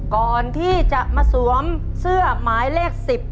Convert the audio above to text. ก่อนที่จะมาสวมเสื้อหมายเลข๑๐